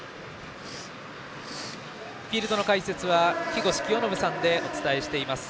フィールドの解説は木越清信さんでお伝えしています。